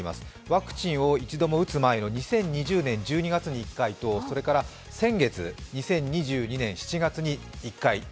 ワクチンを一度も打つ前の２０２０年１２月に１回とそれから、先月２０２２年の７月にもう一回と。